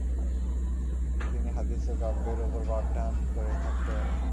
তিনি হাদিস ও কাব্যের উপর পাঠদান করে থাকতে পারেন।